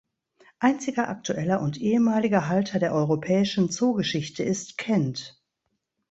Einziger aktueller und ehemaliger Halter der europäischen Zoogeschichte ist Kent.